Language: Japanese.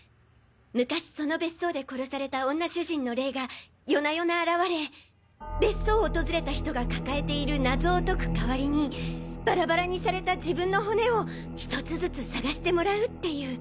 昔その別荘で殺された女主人の霊が夜な夜な現れ別荘を訪れた人が抱えている謎を解く代わりにバラバラにされた自分の骨を１つずつ探してもらうっていう。